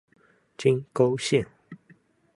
金沟线